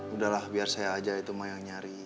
udah lah biar saya aja itu mah yang nyari